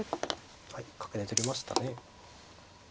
はい角で取りましたね。